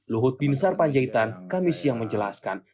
luhut bin sar panjaitan kami siang menjelaskan